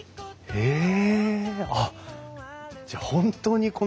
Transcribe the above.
へえ！